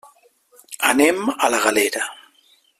Anem a la Galera.